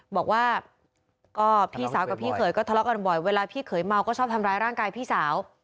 บอกว่าก็พี่สาวกับพี่เขยก็ทะเลาะกันบ่อยเวลาพี่เขยเมาก็ชอบทำร้ายร่างกายพี่สาว